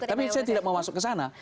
tapi saya tidak mau masuk ke sana